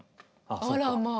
あらまあ。